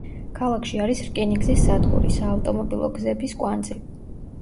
ქალაქში არის რკინიგზის სადგური, საავტომობილო გზების კვანძი.